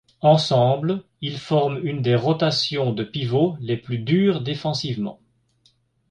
Ensemble, ils forment une des rotations de pivot les plus dures défensivement.